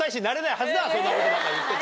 そんなことばっか言ってて。